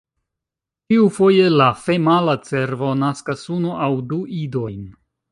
Ĉiufoje la femala cervo naskas unu aŭ du idojn.